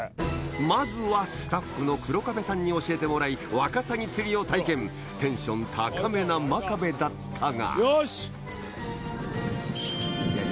まずはスタッフの黒壁さんに教えてもらいワカサギ釣りを体験テンション高めな真壁だったがよし！